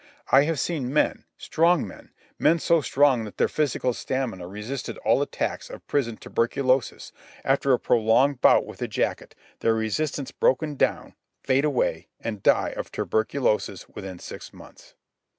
I have seen men, strong men, men so strong that their physical stamina resisted all attacks of prison tuberculosis, after a prolonged bout with the jacket, their resistance broken down, fade away, and die of tuberculosis within six months.